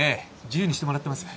自由にしてもらってます。